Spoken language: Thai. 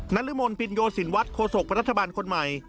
นรมนต์ปิญโยศิลวัดโคสกรัฐบาลคนใหม่